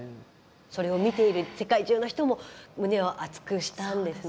それを見ている世界中の人も胸を熱くしたんですね。